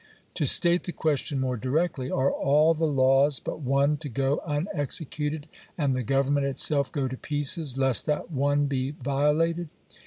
To state the question more directly, are all the laws but one to go unexecuted, and the Government itself go to pieces, lest that one be violated?